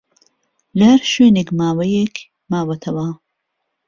لە ھەر شوێنێک ماوەیەک ماوەتەوە